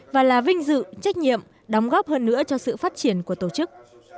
và là vinh dự trách nhiệm đóng góp hơn nữa cho sự phát triển của tổ chức